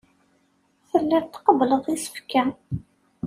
Telliḍ tqebbleḍ isefka.